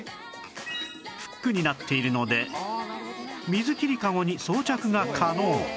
フックになっているので水切りかごに装着が可能